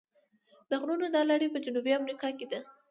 د غرونو دا لړۍ په جنوبي امریکا کې ده.